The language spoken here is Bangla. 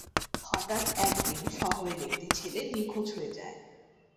হঠাৎ একদিন শহরের একটি ছেলে নিখোজ হয়ে যায়।